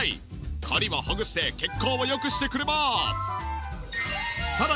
コリをほぐして血行を良くしてくれます！